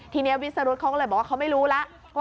ทีนี้วิสรุธเขาก็เลยบอกว่าเขาไม่รู้แล้ว